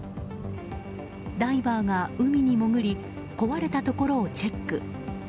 ダイバーが海に潜り壊れたところをチェック。